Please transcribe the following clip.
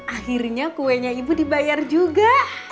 akhirnya kuenya ibu dibayar juga